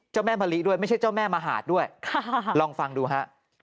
เจ้าแม่มะริไม่ใช่เจ้าแม่มหาดด้วยลองฟังดูฮะ